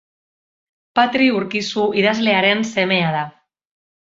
Patri Urkizu idazlearen semea da.